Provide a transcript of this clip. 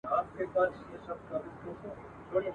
جهنم ته چي د شیخ جنازه یوسي ..